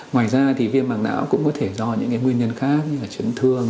ngoài ra thì viêm mảng não cũng có thể do những nguyên nhân khác như là chấn thương